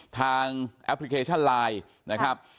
แอปพลิเคชันไลน์นะครับ